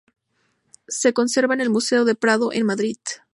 Se conserva en el Museo del Prado en Madrid.